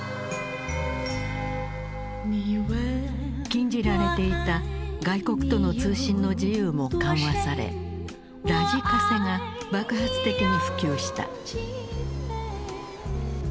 禁じられていた外国との通信の自由も緩和されラジカセが爆発的に普及した。